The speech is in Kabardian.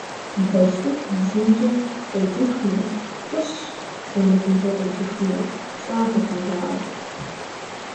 Бэдж цӀыкӀу ижьымкӀэ къеджыхмэ, фӀыщ, сэмэгумкӀэ къеджыхмэ, щӀагъуэкъым, жаӀэрт.